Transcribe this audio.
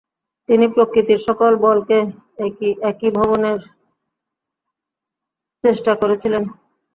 তিনি প্রকৃতির সকল বলকে একীভবনের চেষ্টা করেছিলে।